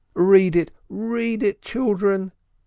Read it, read it, children